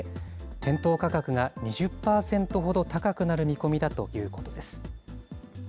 店頭価格が２０％ほど高くなる見込みだということです。